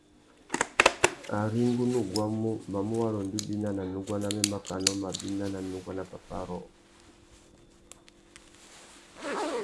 Ari ngu nú guamú, mamú wara undú bina nà nuguá namê makana u má bina ná nuguá nà pápá rôō .